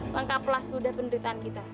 bangkaplah sudah penderitaan kita